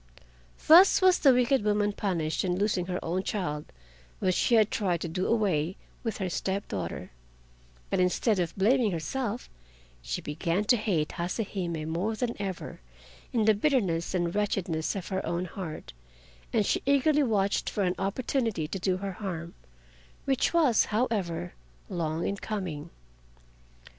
Thus was the wicked woman punished in losing her own child when she had tried to do away with her step daughter; but instead of blaming herself she began to hate Hase Hime more than ever in the bitterness and wretchedness of her own heart, and she eagerly watched for an opportunity to do her harm, which was, however, long in coming.